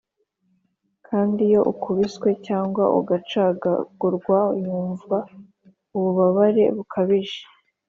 kandi iyo ukubiswe cyangwa ugacagagurwa yumva ububabare bukabije